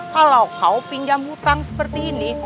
kalau kau pinjam hutang seperti ini